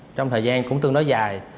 trong thời gian cũng tương đối dài